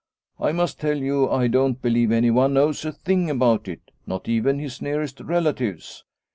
I must tell you I don't believe anyone knows a thing about it, not even his nearest relatives.